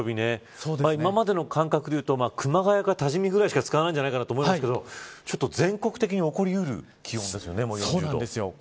今までの感覚でいうと熊谷か多治見ぐらいしか使わないんじゃないかと思いましたが全国的に起こり得る状況ですね。